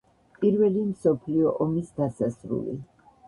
პირველი მსოფლიო ომის დასასრული.